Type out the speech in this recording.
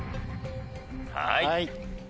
はい。